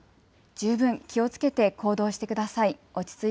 十分気をつけて行動してください。